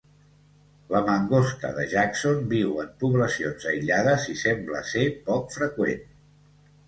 La mangosta de Jackson viu en poblacions aïllades i sembla ser poc freqüent.